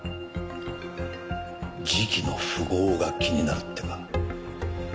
時期の符合が気になるってか。